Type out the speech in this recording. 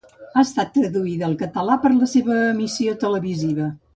Ha estat traduïda al català per la seva emissió televisiva.